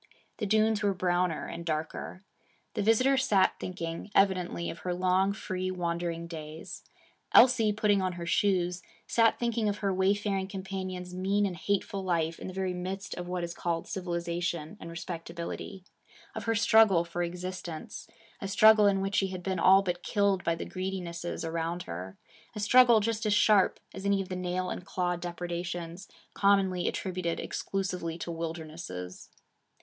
The dunes were browner and darker. The visitor sat thinking, evidently, of her long, free wandering days. Elsie, putting on her shoes, sat thinking of her wayfaring companion's mean and hateful life in the very midst of what is called civilization and respectability; of her struggle for existence a struggle in which she had been all but killed by the greedinesses around her; a struggle just as sharp as any of the nail and claw depredations commonly attributed exclusively to wilder nesses.